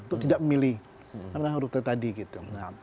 untuk tidak memilih karena hurufnya tadi gitu